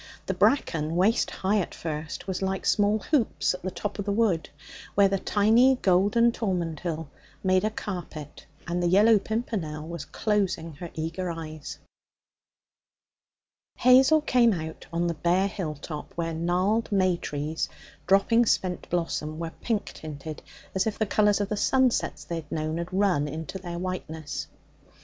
The bracken, waist high at first, was like small hoops at the top of the wood, where the tiny golden tormentil made a carpet and the yellow pimpernel was closing her eager eyes. Hazel came out on the bare hill top where gnarled may trees, dropping spent blossom, were pink tinted as if the colours of the sunsets they had known had run into their whiteness.